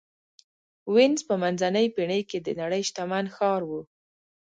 وینز په منځنۍ پېړۍ کې د نړۍ شتمن ښار و.